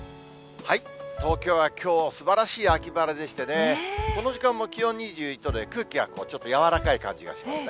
東京はきょう、すばらしい秋晴れでしてね、この時間も気温２１度で、空気はちょっと柔らかい感じがしますね。